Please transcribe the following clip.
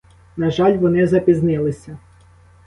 На жаль, вони запізнилися.